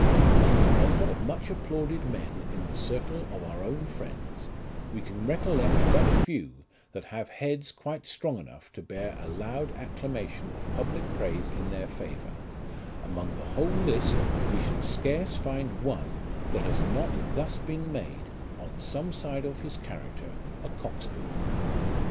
Among the number of much applauded men in the circle of our own friends, we can recollect but few that have heads quite strong enough to bear a loud acclamation of public praise in their favour ; among the whole list we shall scarce find one that has not thus been made, on some side of his character, a coxcomb.